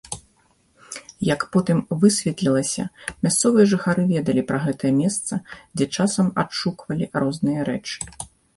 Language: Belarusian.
Як потым высветлілася, мясцовыя жыхары ведалі пра гэта месца, дзе часам адшуквалі розныя рэчы.